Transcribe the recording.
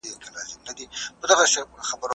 راتلونکی حکومت به د خلګو له پاره امنيت راولي.